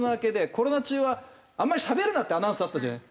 コロナ中はあんまりしゃべるなってアナウンスあったじゃない。